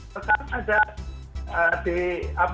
mereka kan ada